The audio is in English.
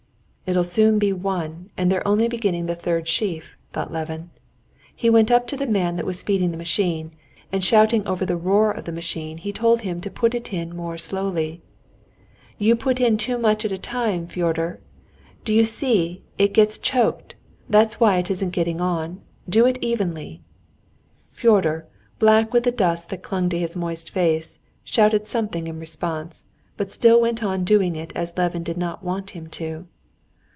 "It'll soon be one, and they're only beginning the third sheaf," thought Levin. He went up to the man that was feeding the machine, and shouting over the roar of the machine he told him to put it in more slowly. "You put in too much at a time, Fyodor. Do you see—it gets choked, that's why it isn't getting on. Do it evenly." Fyodor, black with the dust that clung to his moist face, shouted something in response, but still went on doing it as Levin did not want him to.